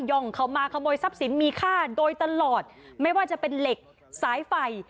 ่องเข้ามาขโมยทรัพย์สินมีค่าโดยตลอดไม่ว่าจะเป็นเหล็กสายไฟ